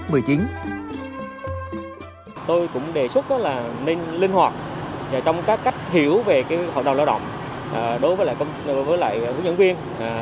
tôi cũng đề xuất là nên linh hoạt trong các cách hiểu về hợp đồng lao động đối với lại hướng dẫn viên